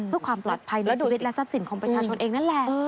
เพื่อความปลอดภัยและชีวิตและทรัพย์สินของประชาชนเองนั่นแหละ